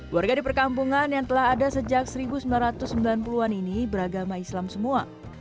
warga di perkampungan yang telah ada sejak seribu sembilan ratus sembilan puluh an ini beragama islam semua